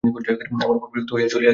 আমার উপর বিরক্ত হইয়া চলিয়া যাইতেছেন?